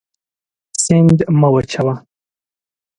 سیند مه وچوه.